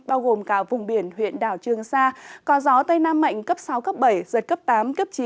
bao gồm cả vùng biển huyện đảo trương sa có gió tây nam mạnh cấp sáu cấp bảy giật cấp tám cấp chín